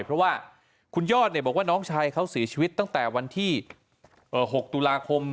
เพราะว่าคุณยอดบอกว่าน้องชายเขาเสียชีวิตตั้งแต่วันที่๖ตุลาคม